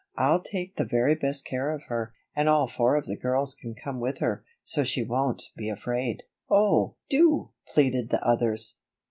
I'll take the very best of care of her. And all four of the girls can come with her, so she won't be afraid." "Oh, do," pleaded the others.